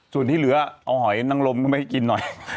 ส่วนที่เหลือเอาหอยนั่งลมก็ไม่กินหน่อย